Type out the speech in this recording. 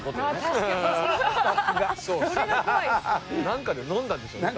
なんかで飲んだんでしょうね。